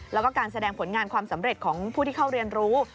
แล้วก็การแสดงผลงานความสำเร็จของผู้ที่เข้าเรียนรู้